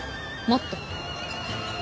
もっと！